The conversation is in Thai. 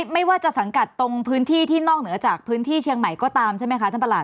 ไม่ว่าจะสังกัดตรงพื้นที่ที่นอกเหนือจากพื้นที่เชียงใหม่ก็ตามใช่ไหมคะท่านประหลั